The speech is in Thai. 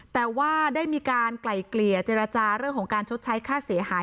แต่ว่าได้มีการไกล่เกลี่ยเจรจาเรื่องของการชดใช้ค่าเสียหาย